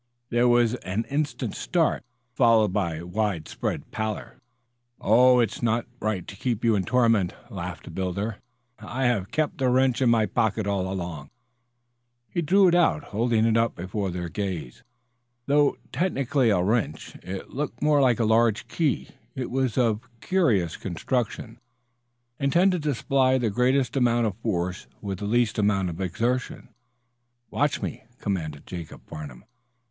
There was an instant start, followed by widespread pallor. "Oh, it's not right to keep you in torment," laughed the builder. "I have kept the wrench in my pocket, all along." He drew it out, holding it up before their gaze. Though technically a wrench, it looked more like a very large key. It was of curious construction, intended to supply the greatest amount of force with the least amount of exertion. "Watch me," commanded Jacob Farnum.